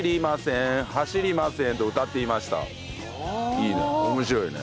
いいね面白いね。